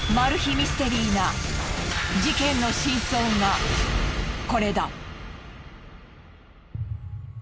ミステリーな事件の真相がこれだ。